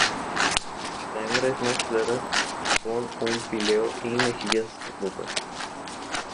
La hembra es más clara con un píleo y mejillas rufas.